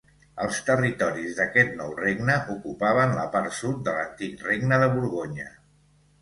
Els territoris d'aquest nou regne ocupaven la part sud de l'antic Regne de Borgonya.